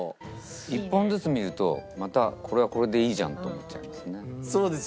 １本ずつ見るとまたこれはこれでいいじゃんと思っちゃいますね。